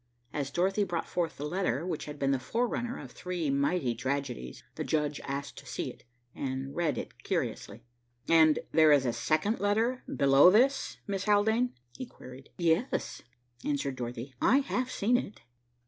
As Dorothy brought forth the letter which had been the forerunner of three mighty tragedies, the judge asked to see it, and read it curiously. "And there is a second letter below this, Miss Haldane?" he queried. "Yes," answered Dorothy, "I have seen it."